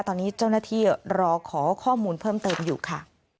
ตอนนี้เจ้าหน้าที่รอขอข้อมูลเพิ่มเติมอยู่ค่ะ